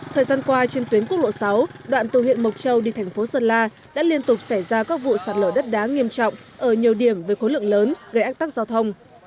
thời gian qua trên tuyến quốc lộ sáu đoạn từ huyện mộc châu đi thành phố sơn la đã liên tục xảy ra các vụ sạt lở đất đá nghiêm trọng ở nhiều điểm với khối lượng lớn gây ách tắc giao thông